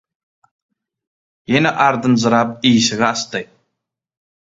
Ýene ardynjyrap işigi açdy...